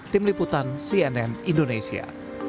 tim liputan cnn indonesia